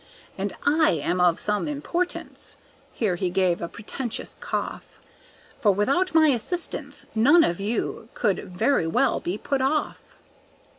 "And I am of some importance," here he gave a pretentious cough, "For without my assistance none of you could very well be put off."